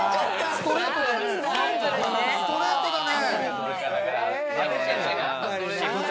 ストレートだね。